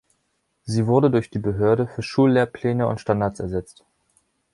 Sie wurde durch die Behörde für Schullehrpläne und Standards ersetzt.